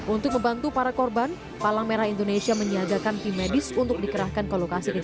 untuk membantu para korban palang merah indonesia menyiagakan tim medis untuk dikerahkan ke lokasi kejadian